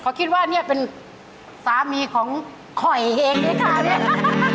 เขาคิดว่านี่เป็นสามีของค่อยเองด้วยค่ะ